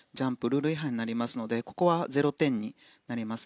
ルール違反になりますのでここは０点になります。